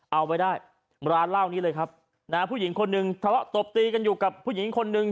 เอาไว้ได้ร้านเหล้านี้เลยครับนะฮะผู้หญิงคนหนึ่งทะเลาะตบตีกันอยู่กับผู้หญิงคนหนึ่ง